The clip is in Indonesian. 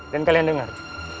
dan kalian dengar